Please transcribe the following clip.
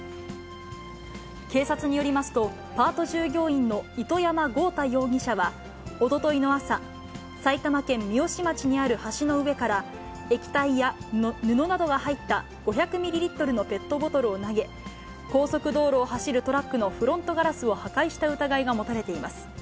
警察によりますと、パート従業員の糸山豪太容疑者はおとといの朝、埼玉県三芳町にある橋の上から、液体や布などが入った５００ミリリットルのペットボトルを投げ、高速道路を走るトラックのフロントガラスを破壊した疑いが持たれています。